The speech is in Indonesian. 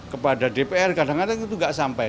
kepada dpr kadang kadang itu tidak sampai